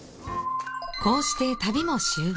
こうして旅も終盤。